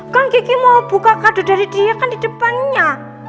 kang kiki mau buka kado dari dia kan di depannya